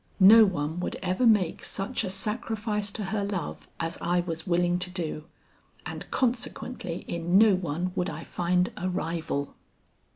No one would ever make such a sacrifice to her love as I was willing to do, and consequently in no one would I find a rival.